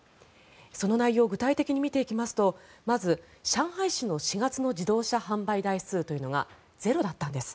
その内容を具体的に見ていきますとまず、上海市の４月の自動車販売台数というのがゼロだったんです。